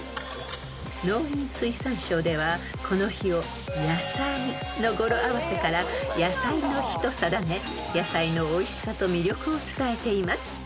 ［農林水産省ではこの日を「やさい」の語呂合わせから野菜の日と定め野菜のおいしさと魅力を伝えています］